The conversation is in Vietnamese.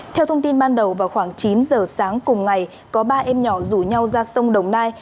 theo thông tin ban đầu vào khoảng chín giờ sáng cùng ngày có ba em nhỏ rủ nhau ra sông đồng nai